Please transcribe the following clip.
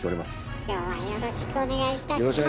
今日はよろしくお願いいたします。